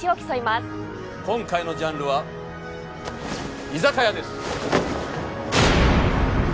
今回のジャンルは居酒屋です。